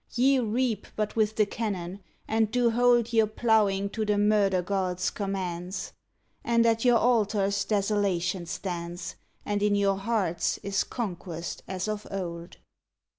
Ye reap but with the cannon, and do hold Your plowing to the murder god s commands; And at your altars Desolation stands, And in your hearts is conquest, as of old.